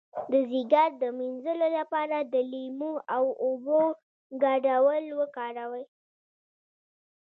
د ځیګر د مینځلو لپاره د لیمو او اوبو ګډول وکاروئ